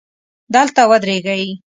دلته ودرېږئ